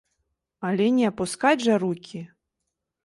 Але не апускаць жа рукі.